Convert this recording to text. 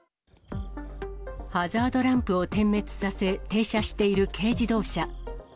ハザードランプを点滅させ、停車している軽自動車。